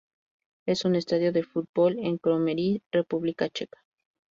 Es un estadio de fútbol en Kroměříž, República Checa.